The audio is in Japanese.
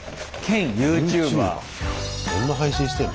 どんな配信してんの？